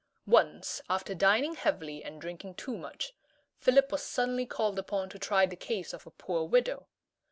Once, after dining heavily and drinking too much, Philip was suddenly called upon to try the case of a poor widow.